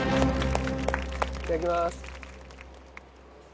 いただきます。